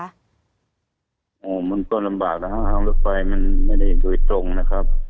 อ๋อมันคือส่วนลำบากนะครับทั้งลูกไฟไม่ได้ยินโดยตรงนะครับ